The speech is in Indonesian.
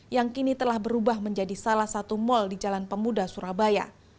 yang kini telah berubah menjadi salah satu mal di jalan pemuda surabaya